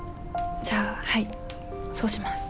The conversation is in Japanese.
じゃあはいそうします。